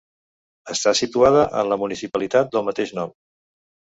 Està situada en la municipalitat del mateix nom.